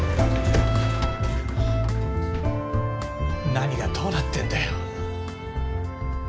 何がどうなってんだよ。